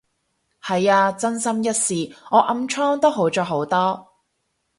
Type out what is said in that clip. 係啊，真心一試，我暗瘡都好咗好多